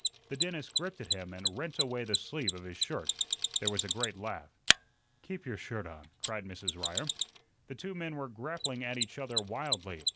The dentist gripped at him and rent away the sleeve of his shirt. There was a great laugh. "Keep your shirt on," cried Mrs. Ryer. The two men were grappling at each other wildly.